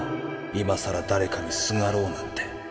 今さらだれかにすがろうなんて。